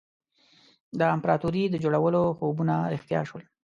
د امپراطوري د جوړولو خوبونه رښتیا شول.